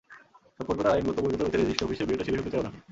সম্পর্কটার আইনগত বৈধতা পেতে রেজিস্ট্রি অফিসে বিয়েটা সেরে ফেলতে চায় ওরা।